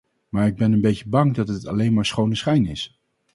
Maar ik ben een beetje bang dat dit alleen maar schone schijn is.